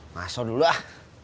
masa dulu ah